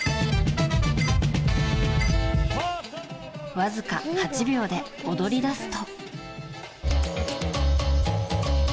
わずか８秒で踊り出すと。